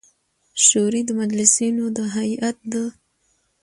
شوري د مجلسـینو د هیئـت د